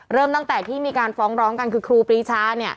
เริ่มตั้งแต่ที่มีการฟ้องร้องกันคือครูปรีชา